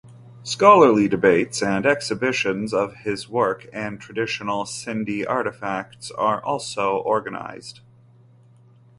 Scholarly debates and exhibitions of his work and traditional Sindhi artifacts are also organised.